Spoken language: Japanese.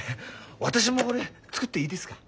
私もこれ作っていいですか？